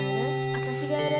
わたしがやる！